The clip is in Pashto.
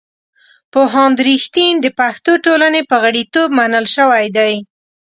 پوهاند رښتین د پښتو ټولنې په غړیتوب منل شوی دی.